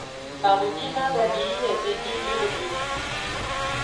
Par le divin babil des nids mélodieux ;